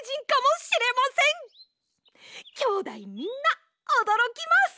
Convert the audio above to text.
きょうだいみんなおどろきます。